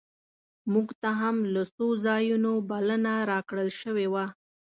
مونږ ته هم له څو ځایونو بلنه راکړل شوې وه.